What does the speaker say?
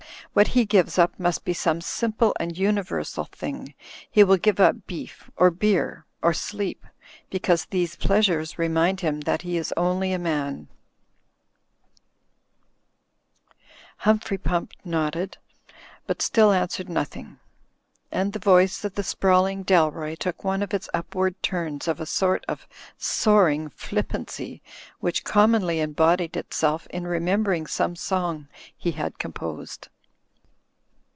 What he gives up must be some simple and universal thing. He will give up beef or beer or sleep — ^because these pleasures remind him that he is only a manj' Humphrey Pump nodded, but still answered noth ing; and the voice of the sprawling Dalroy took one of its upward turns of a sort of soaring flippancy; which commonly embodied itself in remembering some song he had composed.